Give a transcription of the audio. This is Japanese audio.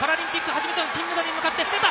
初めての金メダルに向かってどうだ！